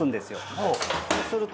そうすると。